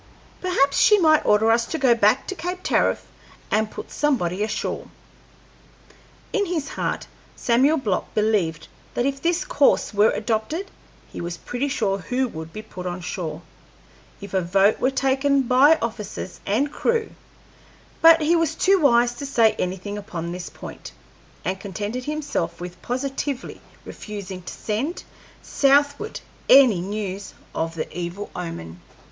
Perhaps she might order us to go back to Cape Tariff and put somebody ashore." In his heart Samuel Block believed that if this course were adopted he was pretty sure who would be put on shore, if a vote were taken by officers and crew; but he was too wise to say anything upon this point, and contented himself with positively refusing to send southward any news of the evil omen.